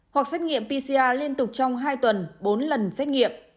hoặc xét nghiệm pcr liên tục trong hai tuần bốn lần xét nghiệm